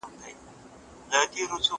لوبه وکړه،